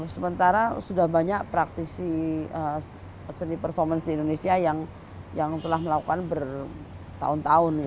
sementara sudah banyak praktisi seni performance di indonesia yang telah melakukan bertahun tahun